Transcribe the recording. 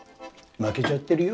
負けちゃってるよ